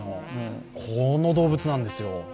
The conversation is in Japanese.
この動物なんですよ。